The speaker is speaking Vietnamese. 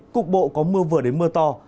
cục bộ có mưa vừa đến mưa to